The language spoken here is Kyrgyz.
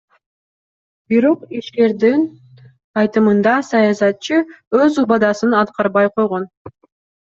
Бирок ишкердин айтымында саясатчы өз убадасын аткарбай койгон.